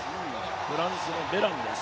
フランスのベランです。